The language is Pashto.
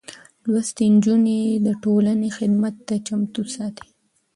لوستې نجونې د ټولنې خدمت ته چمتو ساتي.